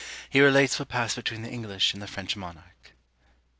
He relates what passed between the English and the French Monarch.